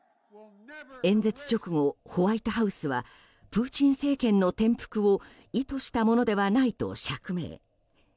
演説直後、ホワイトハウスはプーチン政権の転覆を意図したものではないと釈明。